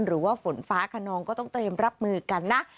หรือว่าฝนฟ้าขนองก็ต้องเตรียมรับมือกันนะ